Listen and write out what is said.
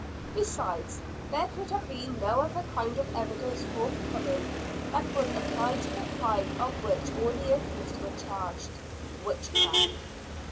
Besides, there could have been no other kind of evidence forthcoming, that would apply to the crime of which all the accused were charged, Witchcraft.